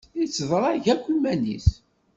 Itteḍrag akk iman-is.